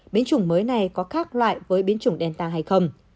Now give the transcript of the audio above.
biến chủng mới này có khác loại với biến chủng delta hay không